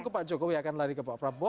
menurut pak jokowi akan lari ke pak probo